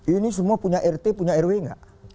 ini semua punya rt punya rw nggak